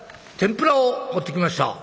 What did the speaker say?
「天ぷらを持ってきました」。